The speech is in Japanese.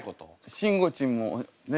しんごちんもね